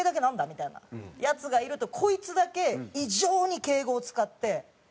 みたいなヤツがいるとこいつだけ異常に敬語を使って「何飲まれます？」。